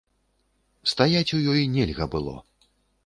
Стаяць у ёй нельга было.